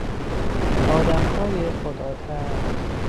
آدمهای خداترس